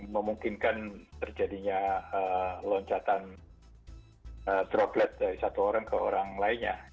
memungkinkan terjadinya loncatan droplet dari satu orang ke orang lainnya